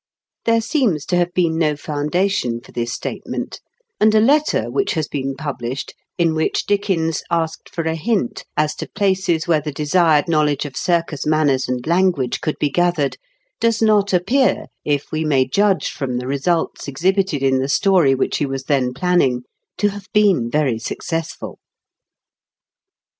There seems to have been no foundation for this state ment, and a letter which has been published, in which Dickens asked for a hint as to places where the desired knowledge of circus manners and language could be gathered, does not appear, if we may judge from the results exhibited in the story which he was then planning, to have been very successful.